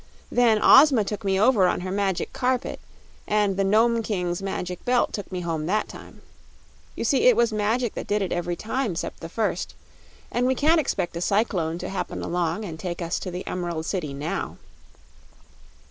Then Ozma took me over on her Magic Carpet, and the Nome King's Magic Belt took me home that time. You see it was magic that did it every time 'cept the first, and we can't 'spect a cyclone to happen along and take us to the Emerald City now."